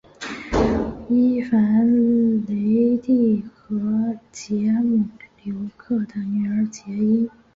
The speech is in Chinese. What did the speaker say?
伊凡雷帝和捷姆留克的女儿结姻。